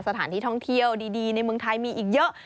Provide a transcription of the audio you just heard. สถานที่ท่องเที่ยวดีในเมืองไทยมีอีกเยอะ